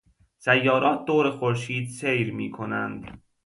سیارات دور خورشید سیر میکنند.